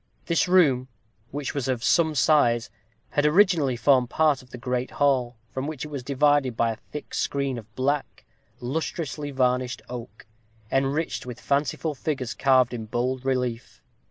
This room, which was of some size, had originally formed part of the great hall, from which it was divided by a thick screen of black, lustrously varnished oak, enriched with fanciful figures carved in bold relief.